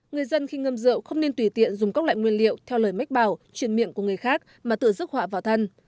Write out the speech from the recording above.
người dân khi ngâm rượu không nên tùy tiện dùng các loại nguyên liệu theo lời mách bào chuyển miệng của người khác mà tự dứt họa vào thân